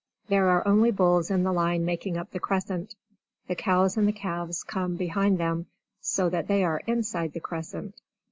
There are only bulls in the line making up the crescent; the cows and the calves come behind them, so that they are inside the crescent.